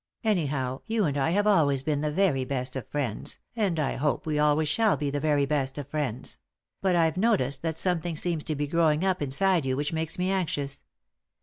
Anyhow, you and I have always been the very best of friends, and I hope we always shall be the very best of friends ; but I've noticed that something seems to be growing up in side you which makes me anxious.